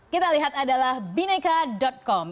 kita lihat adalah bineka com